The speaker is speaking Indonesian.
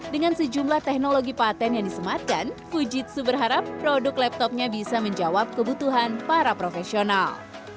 dengan sejumlah teknologi patent yang disematkan fujitsu berharap produk laptopnya bisa menjawab kebutuhan para profesional